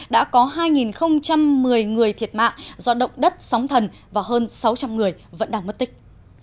đã có hai một mươi người thiệt mạng do động đất sóng thần và hơn sáu trăm linh người vẫn đang mất tích